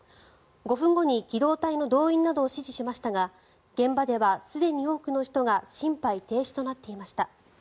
５分後に機動隊の動員などを指示しましたが現場ではすでに多くの人が心肺停止となっていました。